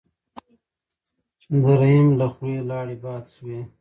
د رحیم له خولې لاړې باد شوې.